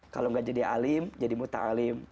kalau enggak jadi alim jadi mutaalim